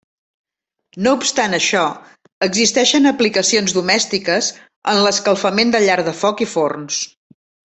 No obstant això existeixen aplicacions domèstiques en l'escalfament de llar de foc i forns.